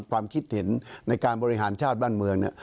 ความคิดเห็นในการบริหารชาติบ้านเมือง